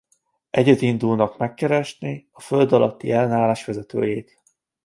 Együtt indulnak megkeresni a földalatti ellenállás vezetőjét.